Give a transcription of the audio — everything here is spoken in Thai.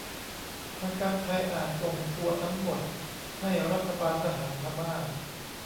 ทางการไทยอาจส่งตัวทั้งหมดให้รัฐบาลทหารพม่า